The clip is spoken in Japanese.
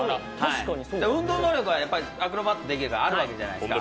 運動能力はアクロバットできるからあるわけじゃないですか。